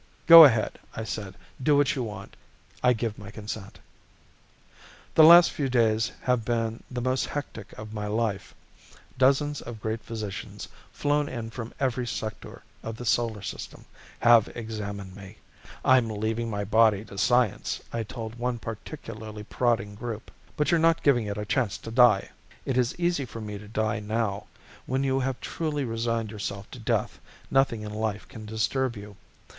"Go ahead," I said, "do what you want. I give my consent." The last few days have been the most hectic of my life. Dozens of great physicians, flown in from every sector of the Solar System, have examined me. "I'm leaving my body to science," I told one particularly prodding group, "but you're not giving it a chance to die!" It is easy for me to die now; when you have truly resigned yourself to death nothing in life can disturb you.